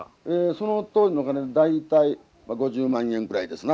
その当時のお金で大体５０万円ぐらいですな。